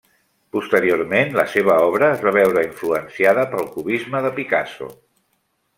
Posteriorment la seva obra es va veure influenciada pel cubisme de Picasso.